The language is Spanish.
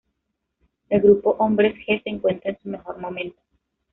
El grupo Hombres G se encuentra en su mejor momento.